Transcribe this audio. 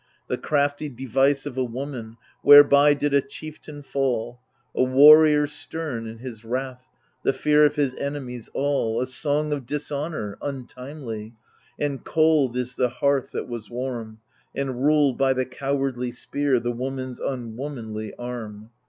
THE LIBATION BEARERS in The crafty device of a woman, whereby did a chieftain fall, A warrior stem in his wrath, the fear of his enemies all,— A song of dishonour, untimely ! and cold is the hearth that was warm, And ruled by the cowardly spear, the woman's un womanly arm.